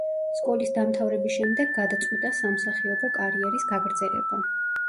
სკოლის დამთავრების შემდეგ გადაწყვიტა სამსახიობო კარიერის გაგრძელება.